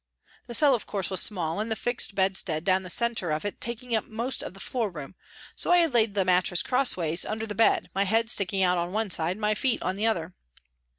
The cell, of course, was small, the fixed bedstead down the centre of it taking up most of the floor room, so I had laid the mattress cross ways under the bed, my head sticking out on one side, my feet on the other.